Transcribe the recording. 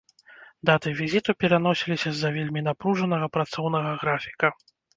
Даты візіту пераносіліся з-за вельмі напружанага працоўнага графіка.